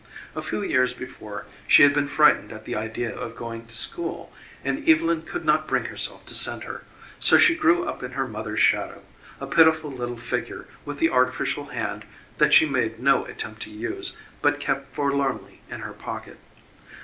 A few years before she had been frightened at the idea of going to school, and Evylyn could not bring herself to send her, so she grew up in her mother's shadow, a pitiful little figure with the artificial hand that she made no attempt to use but kept forlornly in her pocket.